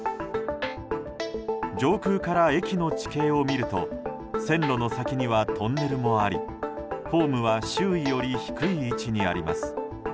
上空から駅の地形を見ると線路の先にはトンネルもありホームは周囲より低い位置にあります。